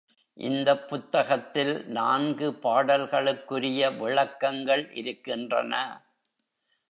இந்தப் புத்தகத்தில் நான்கு பாடல்களுக்குரிய விளக்கங்கள் இருக்கின்றன.